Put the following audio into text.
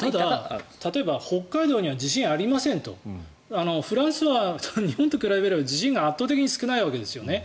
例えば、北海道には地震がありませんとフランスは日本と比べれば地震が圧倒的に少ないわけですね。